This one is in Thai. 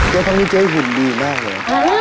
เจ๊คันนี้เจ๊หุ่นดีมาก